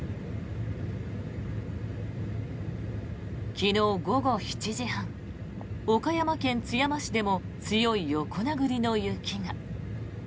昨日午後７時半岡山県津山市でも強い横殴りの雪が。